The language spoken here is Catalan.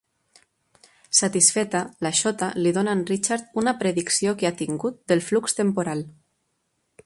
Satisfeta, la Shota li dona a en Richard una predicció que ha tingut del flux temporal.